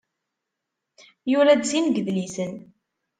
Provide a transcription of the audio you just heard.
Yura-d sin n yidlisen.